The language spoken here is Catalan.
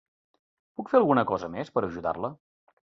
Puc fer alguna cosa més per ajudar-la?